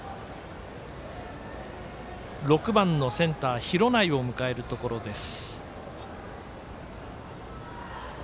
６番のセンター廣内を迎えるところです。